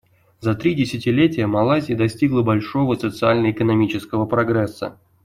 За три десятилетия Малайзия достигла большого социально-экономического прогресса.